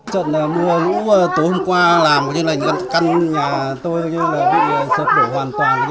trận mưa lũ tối hôm qua làm như là căn nhà tôi bị sợt đổ hoàn toàn